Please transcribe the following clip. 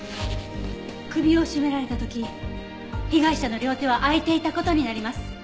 首を絞められた時被害者の両手は空いていた事になります。